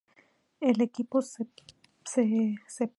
El equipo se separó cuando Edge fue cambiado a Smackdown!.